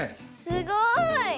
すごい。